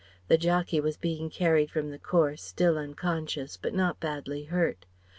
The jockey was being carried from the course, still unconscious, but not badly hurt.